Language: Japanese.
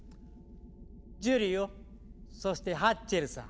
ジュリオそしてハッチェルさん。